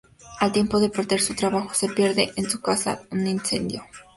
Al tiempo de perder su trabajo, pierde su casa en un incendio.